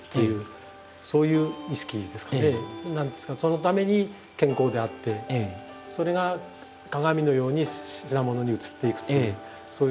そのために健康であってそれが鏡のように品物に映っていくというそういう。